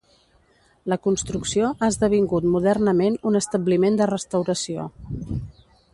La construcció ha esdevingut modernament un establiment de restauració.